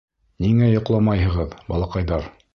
— Ниңә йоҡламайһығыҙ, балаҡайҙар?